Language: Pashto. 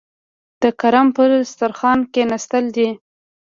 د کرم پر دسترخوان کېناستلي دي.